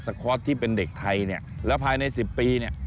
สก๊อตที่เป็นเด็กไทยแล้วภายใน๑๐ปี